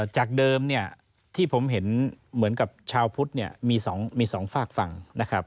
จากเดิมเนี่ยที่ผมเห็นเหมือนกับชาวพุทธเนี่ยมี๒ฝากฝั่งนะครับ